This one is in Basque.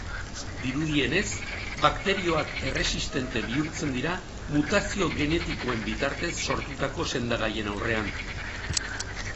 Dirudienez, bakterioak erresistente bihurtzen dira mutazio genetikoen bitartez sortutako sendagaien aurrean.